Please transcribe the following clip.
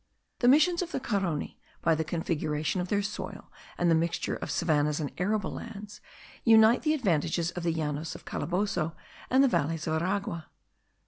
The missions of the Carony, by the configuration of their soil* and the mixture of savannahs and arable lands, unite the advantages of the Llanos of Calabozo and the valleys of Aragua.